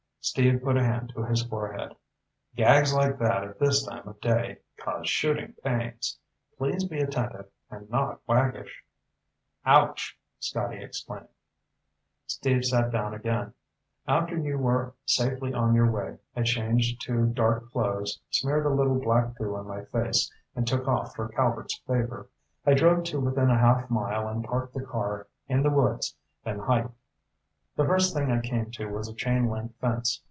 Steve put a hand to his forehead. "Gags like that at this time of day cause shooting pains. Please be attentive, and not waggish." "Ouch!" Scotty exclaimed. Steve sat down again. "After you were safely on your way I changed to dark clothes, smeared a little black goo on my face, and took off for Calvert's Favor. I drove to within a half mile and parked the car in the woods, then hiked. The first thing I came to was a chain link fence.